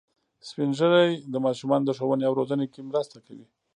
سپین ږیری د ماشومانو د ښوونې او روزنې کې مرسته کوي